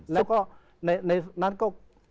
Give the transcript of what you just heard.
และก็